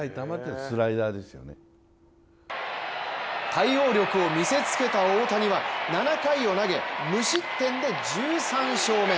対応力を見せつけた大谷は７回を投げ無失点で１３勝目。